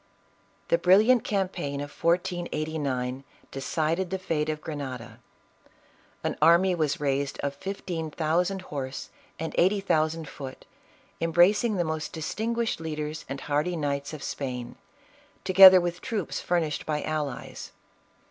. The brilliant campaign of 1489 decided the fate of Grenada. An army was raised of fifteen thousand horse and eighty thousand foot, embracing the most distinguished leaders and hardy knights of Spain, to gether with troops furnished by allies.